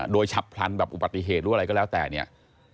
โดยฉับพลันแบบอุบัติเหตุหรืออะไรก็แล้วแต่เนี่ย